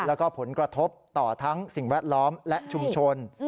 แล้วก็ผลกระทบต่อทั้งสิ่งแวดล้อมและชุมชน